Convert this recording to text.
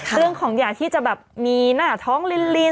เรื่องของอยากที่จะแบบมีหน้าท้องลิน